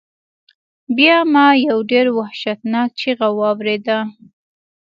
بیا ما یو ډیر وحشتناک چیغہ واوریده.